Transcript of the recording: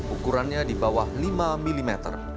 ukurannya di bawah lima mm